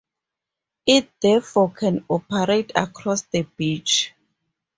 It therefore can operate across the beach.